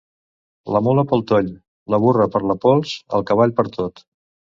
La mula pel toll, la burra per la pols, el cavall pertot.